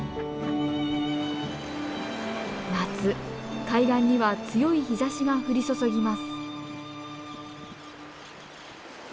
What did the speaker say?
夏海岸には強い日ざしが降り注ぎます。